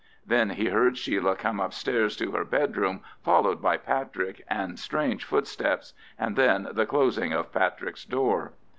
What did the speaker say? Then he heard Sheila come upstairs to her bedroom, followed by Patrick and strange footsteps, and then the closing of Patrick's door.